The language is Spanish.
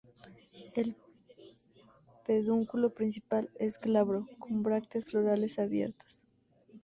El pedúnculo principal es glabro con brácteas florales abiertas.